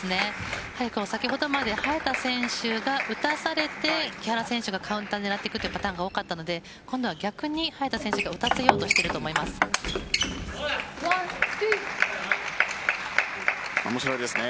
先ほどまで早田選手が打たされて木原選手がカウンターを狙ってくるというパターンが多かったので今度は逆に早田選手は打たせようとしていると面白いですね。